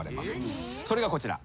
それがこちら。